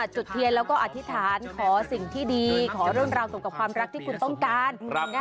จุดเทียนแล้วก็อธิษฐานขอสิ่งที่ดีขอเรื่องราวเกี่ยวกับความรักที่คุณต้องการ